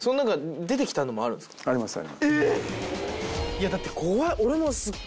いやだって怖っ。